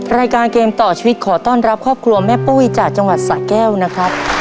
รายการเกมต่อชีวิตขอต้อนรับครอบครัวแม่ปุ้ยจากจังหวัดสะแก้วนะครับ